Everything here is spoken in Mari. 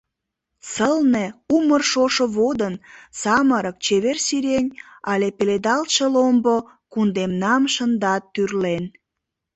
Сылне, умыр шошо водын Самырык, чевер сирень Але пеледалтше ломбо Кундемнам шындат тӱрлен.